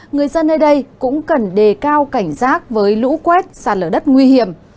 người dân nơi đây cũng cần đề cao cảnh giác với lũ quét sạt lở đất nguy hiểm